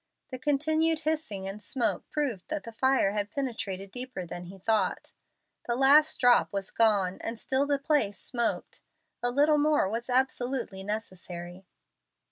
The continued hissing and smoke proved that the fire had penetrated deeper than he thought. The last drop was gone, and still the place smoked. A little more was absolutely necessary.